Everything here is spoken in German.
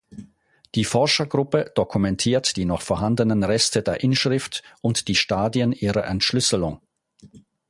Die Forschergruppe dokumentiert die noch vorhandenen Reste der Inschrift und die Stadien ihrer Entschlüsselung.